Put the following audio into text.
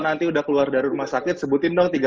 nanti udah keluar dari rumah sakit sebutin dong